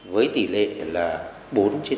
với tỷ lệ là bốn lĩnh vực